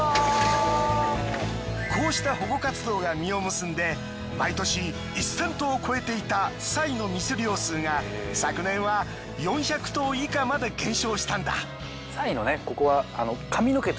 こうした保護活動が実を結んで毎年１，０００頭を超えていたサイの密猟数が昨年は４００頭以下まで減少したんだ。